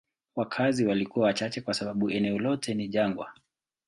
Wakazi walikuwa wachache kwa sababu eneo lote ni jangwa.